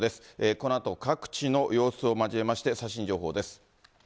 このあと、各地の様子を交えまして、最新情報です。